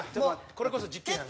これこそ実験やな。